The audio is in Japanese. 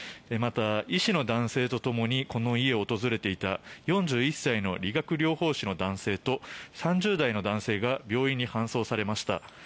また、医師の男性とともにこの家を訪れていた４１歳の理学療法士の男性と３０代の男性が病院に搬送されました。